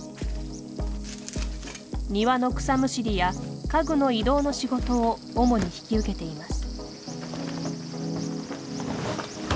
庭の草むしりや家具の移動の仕事を主に引き受けています。